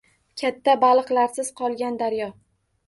Katta baliqlarsiz qolgan daryo!